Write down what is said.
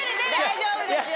大丈夫ですよ。